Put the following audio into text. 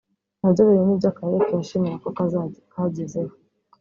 nabyo biri mu byo Akarere kishimira ko kagezeho